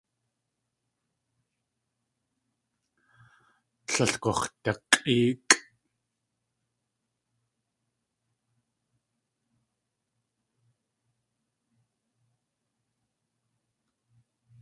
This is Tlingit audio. Tlél gux̲dak̲ʼéekʼ.